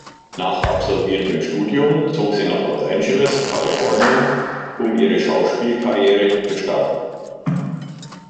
Nach absolviertem Studium zog sie nach Los Angeles, Kalifornien, um ihre Schauspielkarriere zu starten.